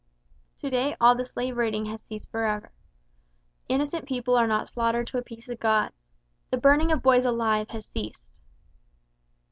To day all the slave raiding has ceased for ever; innocent people are not slaughtered to appease the gods; the burning of boys alive has ceased.